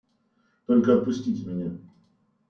– Только отпустите меня.